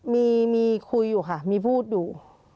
มีคุยอยู่ค่ะมีพูดอยู่